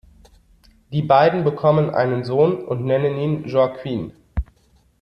Die beiden bekommen einen Sohn und nennen ihn Joaquin.